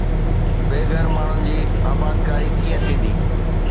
بي گهر ماڻهن جي آبادڪاري ڪيئن ٿيندي؟